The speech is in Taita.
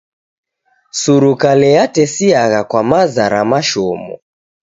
Surukale yatesiagha kwa maza ra mashomo.